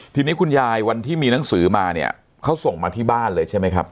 ทีนี้คุณยายวันที่มีหนังสือมาเนี่ยเขาส่งมาที่บ้านเลยใช่ไหมครับ